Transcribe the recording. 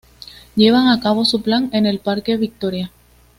Llevan a cabo su plan en el parque Victoria.